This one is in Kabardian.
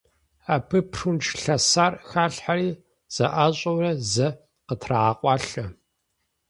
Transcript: Абы прунж лъэсар халъхьэри, зэӀащӀэурэ, зэ къытрагъэкъуалъэ.